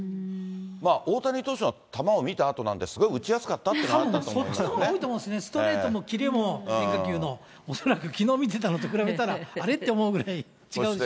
大谷投手の球を見たあとなんで、すごい打ちやすかったというのはそっちのほうが多いと思いますね、ストレートも変化球も、それからきのう見てたのと比べたら、あれって思うくらい違うでし